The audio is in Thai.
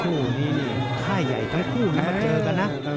คู่นี้ค่ายใหญ่ทั้งคู่มาเจอกันนะ